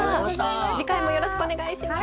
次回もよろしくお願いします。